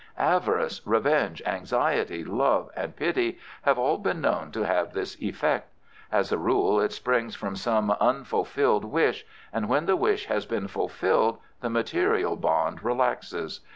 Avarice, revenge, anxiety, love, and pity have all been known to have this effect. As a rule it springs from some unfulfilled wish, and when the wish has been fulfilled the material bond relaxes.